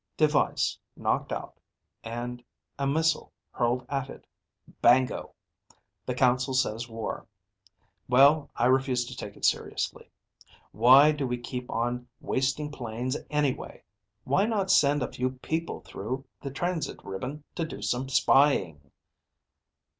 device knocked out and a missile hurled at it. Bango! The council says war. Well, I refuse to take it seriously. Why do we keep on wasting planes anyway? Why not send a few people through the transit ribbon to do some spying?"